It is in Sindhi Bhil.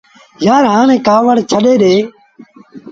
يآر هآڻي ڪآوڙ ڇڏي ڏي۔